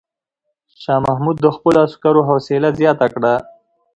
شاه محمود د خپلو عسکرو حوصله زیاته کړه.